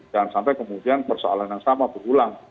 dan sampai kemudian persoalan yang sama berulang